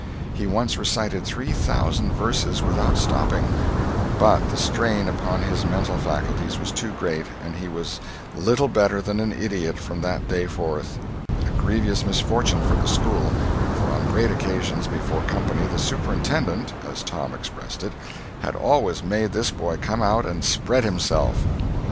He once recited three thousand verses without stopping; but the strain upon his mental faculties was too great, and he was little better than an idiot from that day forth—a grievous misfortune for the school, for on great occasions, before company, the superintendent (as Tom expressed it) had always made this boy come out and "spread himself."